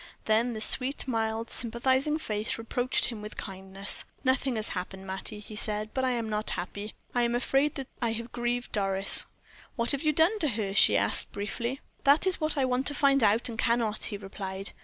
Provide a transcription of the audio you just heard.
Then the sweet, mild, sympathizing face reproached him with kindness. "Nothing has happened, Mattie," he said, "but I am not happy; I am afraid that I have grieved Doris." "What have you done to her?" she asked, briefly. "That is what I want to find out and cannot," he replied.